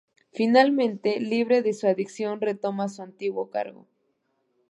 Finalmente libre de su adicción, retoma su antiguo cargo.